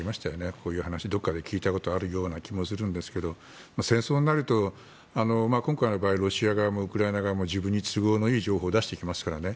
こういう話、どこかで聞いたことあるような気もするんですけど戦争になると、今回の場合ロシア側もウクライナ側も自分に都合のいい情報を出してきますからね。